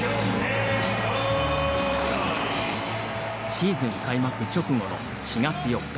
シーズン開幕直後の４月４日。